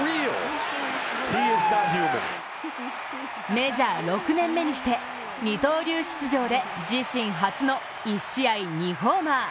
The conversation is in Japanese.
メジャー６年目にして二刀流出場で自身初の１試合２ホーマー。